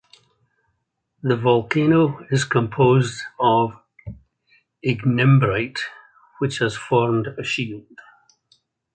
The volcano is composed of ignimbrite, which has formed a shield.